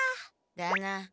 だな。